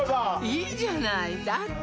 いいじゃないだって